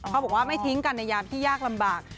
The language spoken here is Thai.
บอกว่าไม่ทิ้งกันในยามที่ยากลำบาก